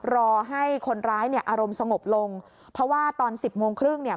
รอให้คนร้ายเนี่ยอารมณ์สงบลงเพราะว่าตอนสิบโมงครึ่งเนี่ย